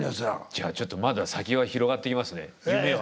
じゃあちょっとまだ先が広がっていきますね夢は。